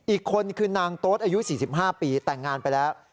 อีกคนคือนางโต๊ดอายุ๔๕ปีแต่งงานไปแล้ว